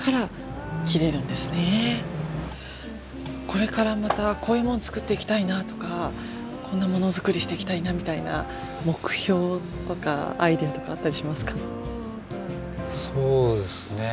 これからまたこういうもの作っていきたいなとかこんなものづくりしていきたいなみたいな目標とかアイデアとかあったりしますか？